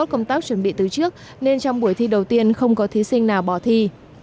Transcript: công tác chuẩn bị từ trước nên trong buổi thi đầu tiên không có thí sinh nào bỏ thi